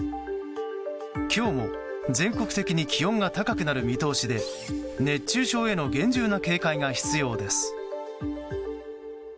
今日も全国的に気温が高くなる見通しで熱中症への厳重な警戒が必要です。